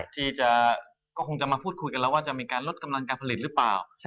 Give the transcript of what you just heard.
ที่ก็คงจะมาพูดคุยกันแล้วว่าจะมีการลดกำลังการผลิตหรือเปล่า